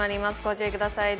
ご注意ください。